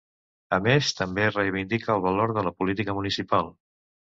A més, també reivindica el valor de la política municipal.